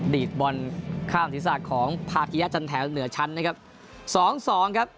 ดีตบอลข้ามศิษย์ศาสตร์ของภาคยาจันทร์แถวเหนือชั้นนะครับสองสองครับ